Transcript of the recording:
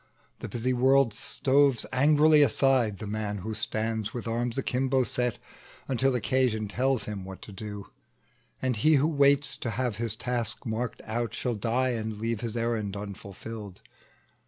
The busy world shoves angrily aside The man who stands with arms akimbo set, Until occasion tells him what to do; And he who waits to have his task marked out Shall die and leave his errand unfulfilled.